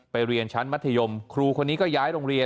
เรียนชั้นมัธยมครูคนนี้ก็ย้ายโรงเรียน